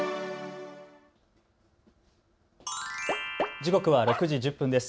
時刻は６時１０分です。